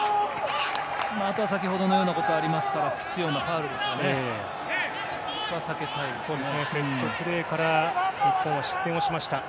先ほどのようなこともありますから不必要なファウルは避けたいですよね。